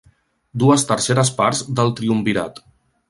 Dues terceres parts del triumvirat.